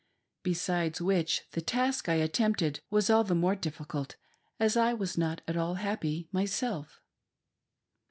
Besides which, the task I attempted was all the more difficult as I was not at all happy myself.